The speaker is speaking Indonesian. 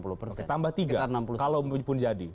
oke tambah tiga kalau pun jadi